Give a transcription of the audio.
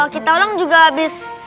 kita orang juga abis